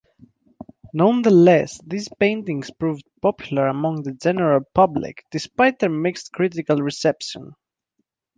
Nonetheless, these paintings proved popular among the general public, despite their mixed critical reception.